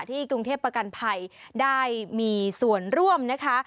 กรุงเทพประกันภัยได้มีส่วนร่วมนะคะ